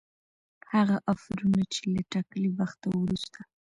هغه آفرونه چي له ټاکلي وخته وروسته